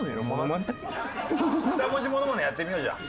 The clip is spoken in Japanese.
２文字モノマネやってみようじゃあ。